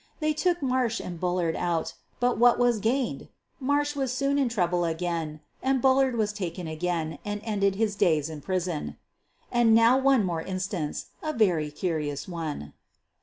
They took Marsh and Bullard out, but what was gained? Marsh was soon in trouble again and Bullard was taken again and ended his days in prison. And now one more instance — a very curious one.